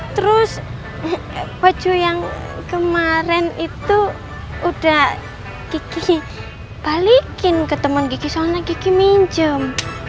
terus baju yang kemarin itu udah gigi balikin ke teman kiki soalnya gigi minjem